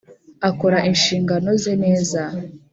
akora inshingano ze neza